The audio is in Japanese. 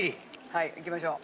はいいきましょう。